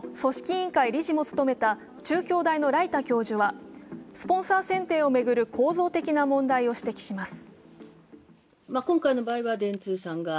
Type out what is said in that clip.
委員会理事も務めた中京大の來田教授は、スポンサー選定を巡る構造的な問題を指摘します。